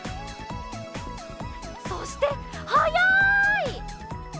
そしてはやい！